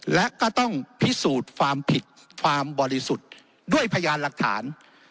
และก็ต้องพิสูจน์ความผิดความบริสุทธิ์ด้วยพยานหลักฐาน